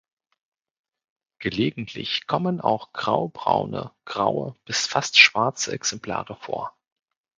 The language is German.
Gelegentlich kommen auch graubraune, graue bis fast schwarze Exemplare vor.